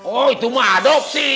oh itu mengadopsi